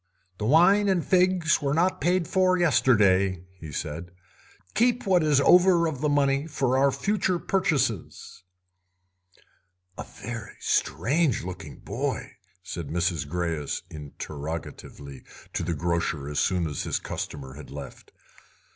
"The wine and figs were not paid for yesterday," he said; "keep what is over of the money for our future purchases." "A very strange looking boy?" said Mrs. Greyes interrogatively to the grocer as soon as his customer had left.